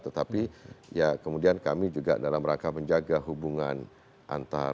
tetapi ya kemudian kami juga dalam rangka menjaga hubungan antar